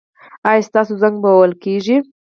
ایا ستاسو زنګ به وهل کیږي؟